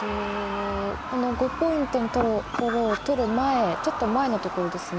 ５ポイントを取る前ちょっと前のところですね。